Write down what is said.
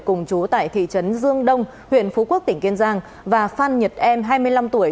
cùng chú tại thị trấn dương đông huyện phú quốc tỉnh kiên giang và phan nhật em hai mươi năm tuổi